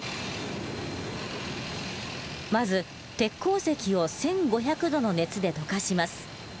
まず鉄鉱石を１，５００℃の熱で溶かします。